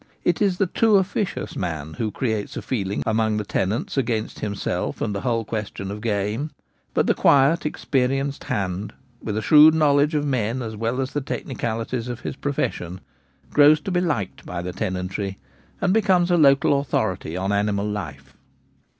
It is the too officious man who creates a feeling among the tenants against himself and the whole question of game. But the quiet experienced hand, with a shrewd knowledge of men as well as the technicalities of his profession, grows to be liked by the tenantry, and becomes a local authority on animal life.